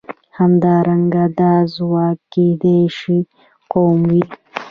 همدارنګه دا ځواک کېدای شي قوم وي.